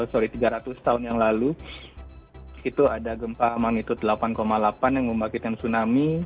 sorry tiga ratus tahun yang lalu itu ada gempa magnitud delapan delapan yang membangkitkan tsunami